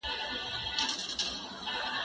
زه له سهاره کتابتوني کار کوم